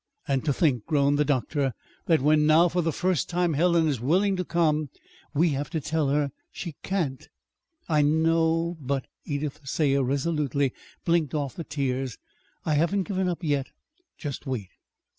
"And to think," groaned the doctor, "that when now, for the first time, Helen is willing to come, we have to tell her she can't!" "I know, but" Edith Thayer resolutely blinked off the tears "I haven't given up yet. Just wait."